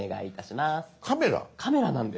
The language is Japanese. カメラなんです。